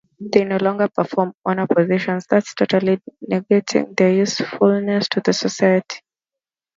They no longer perform honor-positions, thus totally negating their usefulness to the society.